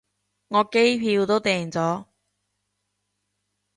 我機票都訂咗